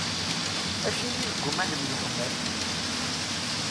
Acimi neggumma ad nemyeḥmal?